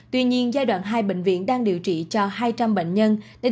tuy nhiên giai đoạn hai bệnh viện đang điều trị cho hai trăm linh bệnh nhân